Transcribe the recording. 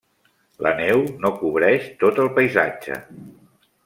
La neu no cobreix tot el paisatge.